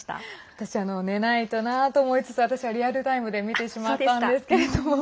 私、寝ないとなと思いつつ私はリアルタイムで見てしまったんですけれども。